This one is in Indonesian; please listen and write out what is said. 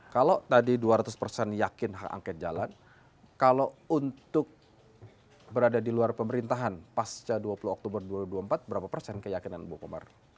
kalau tadi dua ratus persen yakin hak angket jalan kalau untuk berada di luar pemerintahan pasca dua puluh oktober dua ribu dua puluh empat berapa persen keyakinan ibu komar